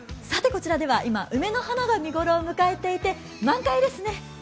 さてこちらでは、今、梅の花が見頃を迎えていて満開ですね！